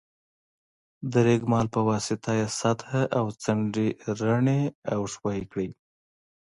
د رېګمال په واسطه یې سطحه او څنډې رڼې او ښوي کړئ.